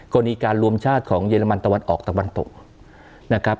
กรณีการรวมชาติของเยอรมันตะวันออกตะวันตกนะครับ